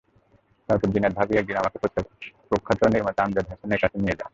তারপর জিনাত ভাবিই একদিন আমাকে প্রখ্যাত নির্মাতা আমজাদ হোসেনের কাছে নিয়ে যান।